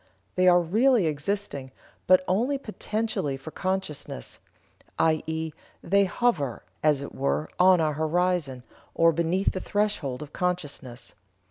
They are really existing, but only potentially for consciousness, i.e., they hover, as it were, on our horizon, or beneath the threshold of consciousness.